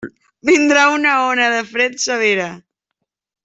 Vindrà una ona de fred severa.